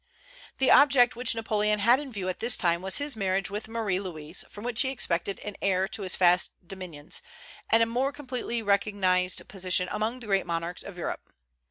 The object which Napoleon had in view at this time was his marriage with Marie Louise, from which he expected an heir to his vast dominions, and a more completely recognized position among the great monarchs of Europe.